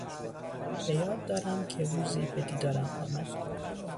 به یاد دارم که روزی به دیدارم آمد.